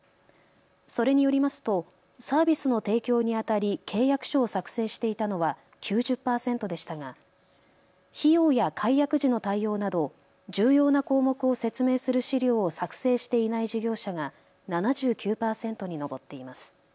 それによりますとサービスの提供にあたり契約書を作成していたのは９０％でしたが費用や解約時の対応など重要な項目を説明する資料を作成していない事業者が７９％に上っています。